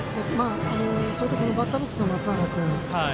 バッターボックスの松永君。